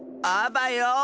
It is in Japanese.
あばよ！